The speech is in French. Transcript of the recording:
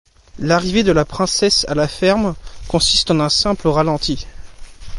L'arrivée de la Princesse à la ferme consiste en un simple ralenti.